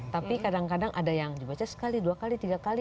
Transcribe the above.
tapi kadang kadang ada yang dibaca sekali dua kali tiga kali